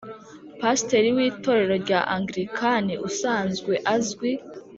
Pasteur w Itorero rya Anglican usanzwe azwi